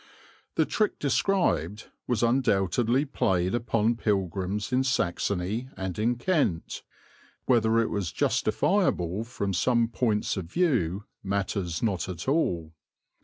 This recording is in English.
The trick described was undoubtedly played upon pilgrims in Saxony and in Kent; whether it was justifiable from some points of view matters not at all.